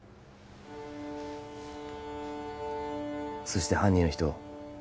そして犯人の人